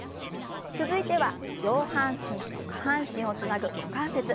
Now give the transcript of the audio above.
続いては上半身と下半身をつなぐ股関節。